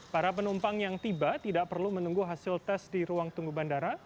para penumpang yang tiba tidak perlu menunggu hasil tes di ruang tunggu bandara